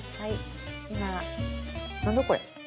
何だこれ？